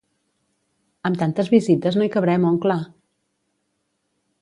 Amb tantes visites no hi cabrem, oncle!